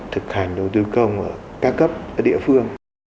thực hành đầu tư công ở ca cấp ở địa phương